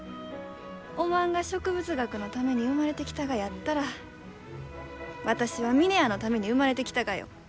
おまんが植物学のために生まれてきたがやったら私は峰屋のために生まれてきたがよ。